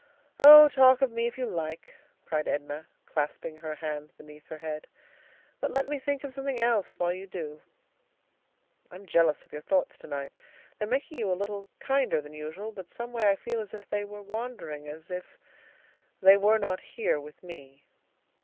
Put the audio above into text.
"Oh! talk of me if you like," cried Edna, clasping her hands beneath her head; "but let me think of something else while you do." "I'm jealous of your thoughts to night. They're making you a little kinder than usual; but some way I feel as if they were wandering, as if they were not here with me."